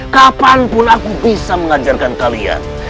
kapanpun aku bisa mengajarkan kalian